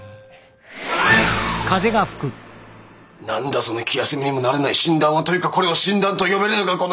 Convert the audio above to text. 何だその気休めにもならない診断は。というかこれを診断と呼べるのか